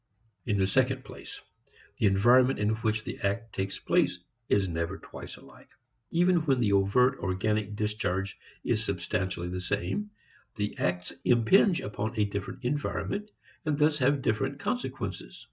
In the second place, the environment in which the act takes place is never twice alike. Even when the overt organic discharge is substantially the same, the acts impinge upon a different environment and thus have different consequences.